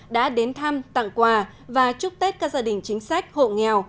đã đến thăm tặng quà và chúc tết các gia đình chính sách hộ nghèo